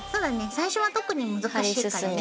最初は特に難しいからね。